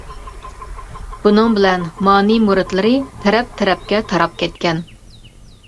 بۇنىڭ بىلەن مانى مۇرىتلىرى تەرەپ-تەرەپكە تاراپ كەتكەن.